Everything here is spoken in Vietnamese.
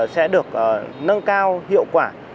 sẽ được nâng cao hiệu quả